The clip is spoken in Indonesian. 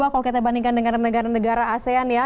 kalau kita bandingkan dengan negara negara asean ya